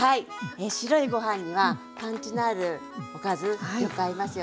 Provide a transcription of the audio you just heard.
白いご飯にはパンチのあるおかずよく合いますよね。